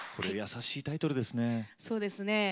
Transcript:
優しいタイトルですね。